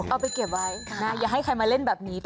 เอาไปเก็บไว้อย่าให้ใครมาเล่นแบบนี้